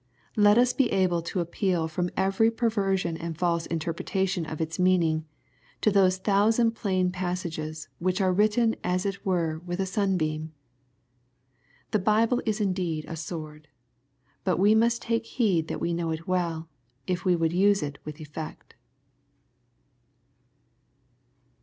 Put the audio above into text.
Let us be able to ap peal from every perversion and false interpretation of its meaning, to those thousand plain passages, which are written as it were with a sunbeam. The Bible is indeed a sword, but we must take beed that we know it well, if we would use it with effect.